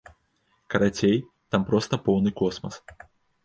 Карацей, там проста поўны космас.